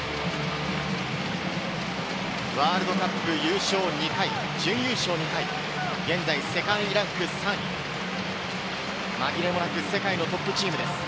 ワールドカップ優勝２回、準優勝２回、現在世界ランク３位、まぎれもなく世界のトップチームです。